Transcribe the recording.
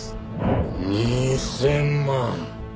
２０００万。